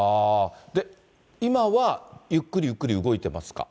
今はゆっくりゆっくり動いてますか？